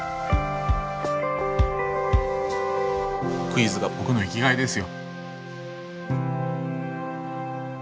クイズが僕の生きがいですよ。